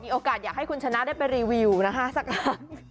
โอกาสอยากให้คุณชนะได้ไปรีวิวนะคะสักครั้ง